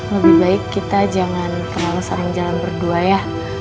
lebih baik kita jangan terlalu sering jalan berdua ya